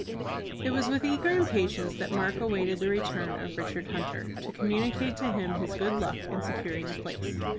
It was with eager impatience that Mark awaited the return of Richard Hunter, to communicate to him his good luck in securing a place.